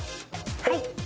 はい。